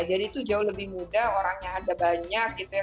jadi itu jauh lebih mudah orangnya ada banyak gitu ya